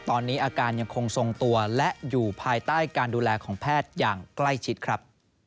ตอนนี้อาการยังคงทรงตัวและอยู่ภายใต้การดูแลของแพทย์อย่างใกล้ชิดครับ